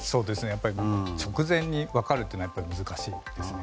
直前に分かるというのは難しいですね。